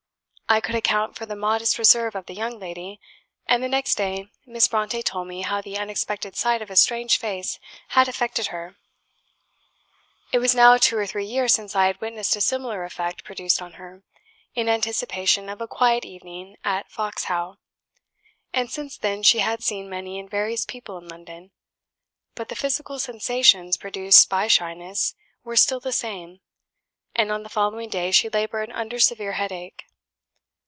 I could account for the modest reserve of the young lady; and the next day Miss Brontë told me how the unexpected sight of a strange face had affected her. It was now two or three years since I had witnessed a similar effect produced on her; in anticipation of a quiet evening at Fox How; and since then she had seen many and various people in London: but the physical sensations produced by shyness were still the same; and on the following day she laboured under severe headache.